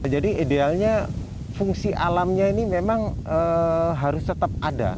jadi idealnya fungsi alamnya ini memang harus tetap ada